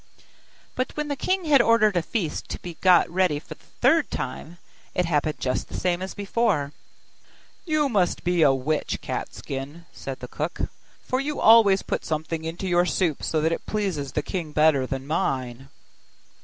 But when the king had ordered a feast to be got ready for the third time, it happened just the same as before. 'You must be a witch, Cat skin,' said the cook; 'for you always put something into your soup, so that it pleases the king better than mine.